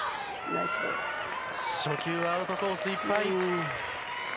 初球、アウトコースいっぱい。